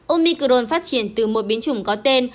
omicron phát triển từ một biến chủng có tên